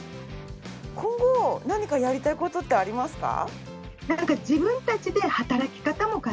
今後何かやりたい事ってありますか？